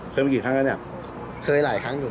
เคยมากี่ครั้งแล้วเนี่ย